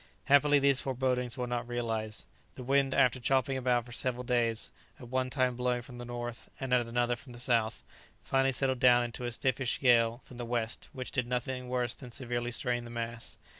Happily these forebodings were not realized. The wind, after chopping about for several days, at one time blowing from the north, and at another from the south, finally settled down into a stiffish gale from the west, which did nothing worse than severely strain the masts.